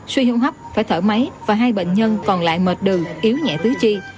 sau hấp phải thở máy và hai bệnh nhân còn lại mệt đừ yếu nhẹ tứ chi